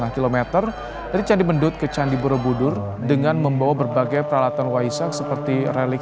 lima km dari candi mendut ke candi borobudur dengan membawa berbagai peralatan waisak seperti relik